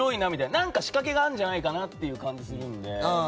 何か仕掛けがあるんじゃないかなっていう感じがするので。